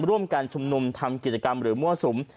ร่วมกันชุมนุมทำกิจกรรมหรือมั่วสุม